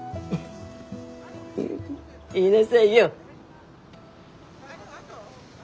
言いなさいよ。